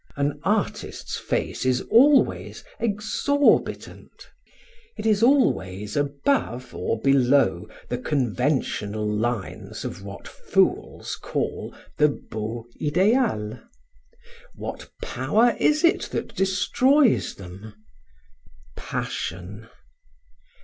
An artist's face is always exorbitant, it is always above or below the conventional lines of what fools call the beau ideal. What power is it that destroys them? Passion.